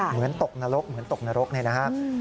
เหมือนตกนรกนี่นะฮะ